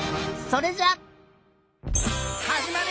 それじゃ！